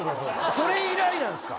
それ以来なんすか？